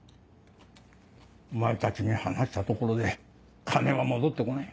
お前たちに話したところで金は戻ってこない。